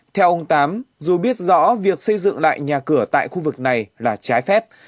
theo ông tám dù biết rõ việc xây dựng lại nhà cửa tại khu vực này là trái phép